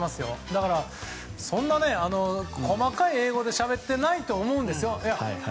だから、そんなに細かい英語でしゃべってはないと思いますよ。